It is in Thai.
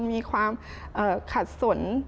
มีความขัดสน